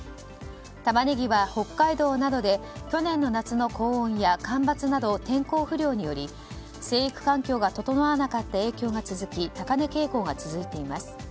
タマネギは北海道などで去年の夏の高温や干ばつなど、天候不良により生育環境が整わなかった影響が続き高値傾向が続いています。